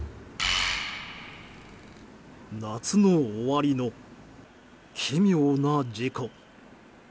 夏の終わりの奇妙な事故。